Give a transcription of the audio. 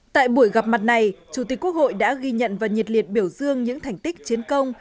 tại buổi gặp mặt này chủ tịch quốc hội đã ghi nhận và nhiệt liệt biểu dương những thành tích chiến công